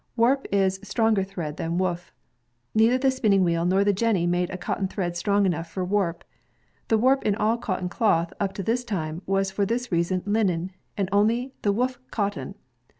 Warp is a stronger thread than woof. Neither the spinning wheel nor the jenny made a cotton thread strong enough for warp. The warp in all cotton cloth up to this time was for this rea son linen, and only the woof cotton.